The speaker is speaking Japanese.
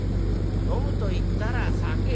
飲むと言ったら酒」。